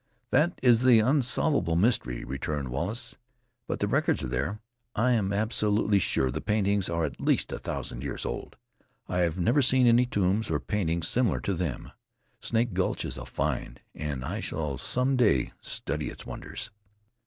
"That is the unsolvable mystery," returned Wallace. "But the records are there. I am absolutely sure the paintings are at least a thousand years old. I have never seen any tombs or paintings similar to them. Snake Gulch is a find, and I shall some day study its wonders."